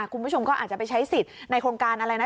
คุณผู้ชมก็อาจจะไปใช้สิทธิ์ในโครงการอะไรนะ